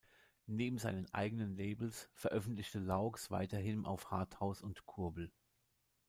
Neben seinen eigenen Labels veröffentlichte Laux weiterhin auf "Harthouse" und "Kurbel".